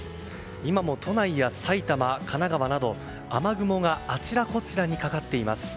今も都内やさいたま、神奈川など雨雲があちらこちらにかかっています。